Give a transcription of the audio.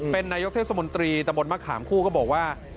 เป็นนายกเทศมนตรีตะบนมะขามคู่ก็บอกว่า